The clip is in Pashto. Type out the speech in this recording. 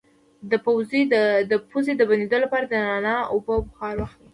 د پوزې د بندیدو لپاره د نعناع او اوبو بخار واخلئ